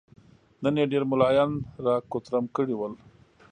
نن يې ډېر ملايان را کوترم کړي ول.